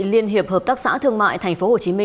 liên hiệp hợp tác xã thương mại tp hcm